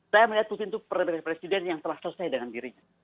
saya melihat putin itu presiden yang telah selesai dengan dirinya